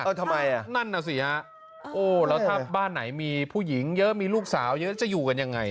ทำไมอ่ะนั่นน่ะสิฮะโอ้แล้วถ้าบ้านไหนมีผู้หญิงเยอะมีลูกสาวเยอะจะอยู่กันยังไง